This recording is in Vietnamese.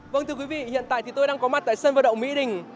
vâng thưa quý vị hiện tại tôi đang có mặt tại sân vật động mỹ đình